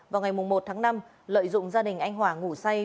vào ngày một tháng năm lợi dụng gia đình anh hòa ngủ say